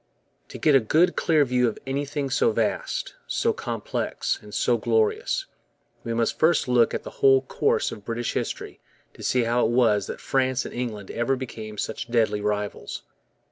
To get a good, clear view of anything so vast, so complex, and so glorious, we must first look at the whole course of British history to see how it was that France and England ever became such deadly rivals.